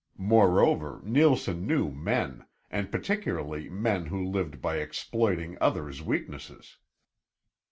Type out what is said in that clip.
Moreover, Neilson knew men, and particularly men who lived by exploiting others' weaknesses.